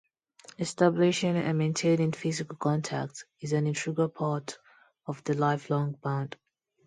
Establishing and maintaining physical contact is an integral part of the lifelong bond.